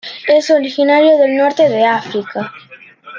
Es originario del Norte de África.